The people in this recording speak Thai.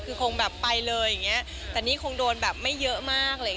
คือคงแบบไปเลยอย่างเงี้ยแต่นี่คงโดนแบบไม่เยอะมากอะไรอย่างเ